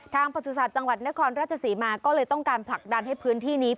ประสุทธิ์จังหวัดนครราชศรีมาก็เลยต้องการผลักดันให้พื้นที่นี้